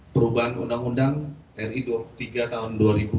perubahan undang undang ri dua puluh tiga tahun dua ribu dua puluh